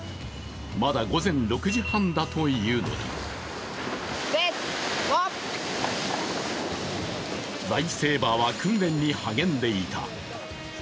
まだ午前６時半だというのにライフセーバーは訓練に励んでいた。